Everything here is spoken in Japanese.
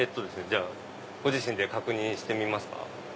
ご自身で確認してみますか？